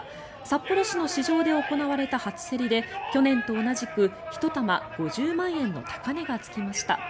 札幌市の市場で行われた初競りで去年と同じく１玉５０万円の高値がつきました。